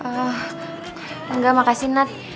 ehh enggak makasih nat